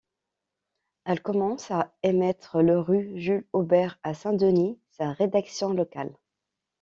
Elle commence à émettre le rue Jules Auber à Saint-Denis, sa rédaction locale.